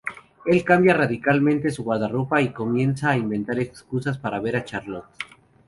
Él cambia radicalmente su guardarropa y comienza a inventar excusas para ver a Charlotte.